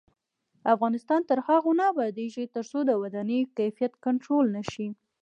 افغانستان تر هغو نه ابادیږي، ترڅو د ودانیو کیفیت کنټرول نشي.